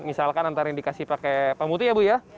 misalkan nanti dikasih pake pemutih ya bu ya